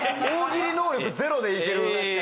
大喜利能力ゼロでいける。